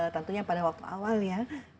tentunya pada waktu awal ya